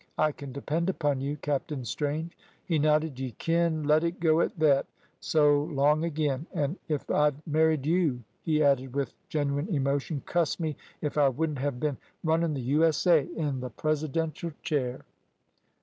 "I can depend upon you, Captain Strange." He nodded. "Y' kin let it go at thet. So long, agin. An' if I'd married you," he added, with genuine emotion, "cuss me if I wouldn't hev bin runnin' the U.S.A. in th' Presidential Chair."